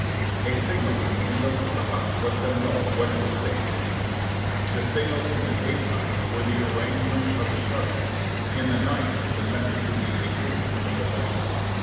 A signal from the windows of the house let them know when it was safe to enter. The signals in the daytime were the arrangements of the shutters ; in the night the method would be a grouping of the lights.